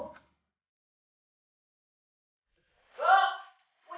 puncak dia berhenti